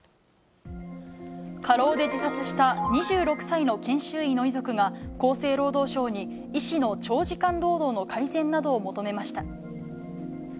過労で自殺した２６歳の研修医の遺族が、厚生労働省に医師の長時間労働の改善などを求めました。